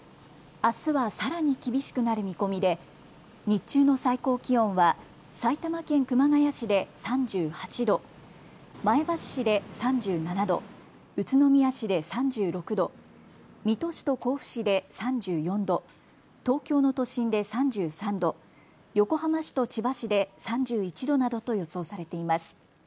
あすはさらに厳しくなる見込みで日中の最高気温は埼玉県熊谷市で３８度、前橋市で３７度、宇都宮市で３６度、水戸市と甲府市で３４度、東京の都心で３３度、横浜市と千葉市で３１度などと予想されています。